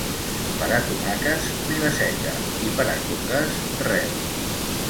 Per a tomàquets, Vila-seca, i per a coques, Reus.